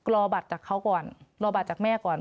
รอบัตรจากเขาก่อนรอบัตรจากแม่ก่อน